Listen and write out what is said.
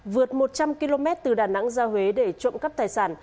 vượt một trăm linh km từ đà nẵng ra huế để trộm cắp tài sản